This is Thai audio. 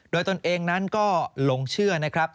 โดยตนเองก็ต้องลงเชื่อ